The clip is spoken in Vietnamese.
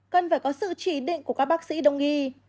cần phải có sự chỉ định của các bác sĩ đồng nghi